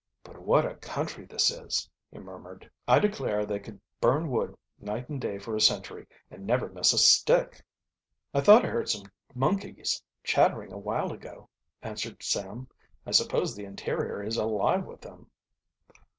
"But what a country this is!" he murmured. "I declare they could burn wood night and day for a century and never miss a stick." "I thought I heard some monkeys chattering a while ago," answered Sam. "I suppose the interior is alive with them."